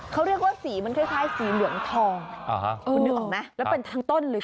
เขาเรียกว่าสีมันคล้ายสีเหลืองทองคุณนึกออกไหมแล้วเป็นทั้งต้นเลยค่ะ